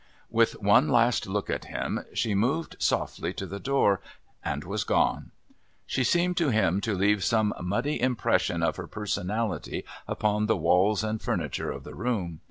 With one last look at him she moved softly to the door and was gone. She seemed to him to leave some muddy impression of her personality upon the walls and furniture of the room.